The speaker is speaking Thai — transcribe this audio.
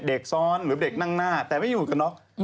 เด็กซ้อนหรือเด็กนั่งหน้าแต่ไม่อยู่กันน็อก